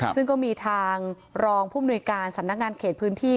ซึ่งก็มีทางรองผู้มนุยการสำนักงานเขตพื้นที่